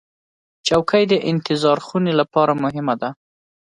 چوکۍ د انتظار خونې لپاره مهمه ده.